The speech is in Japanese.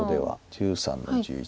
１３の十一。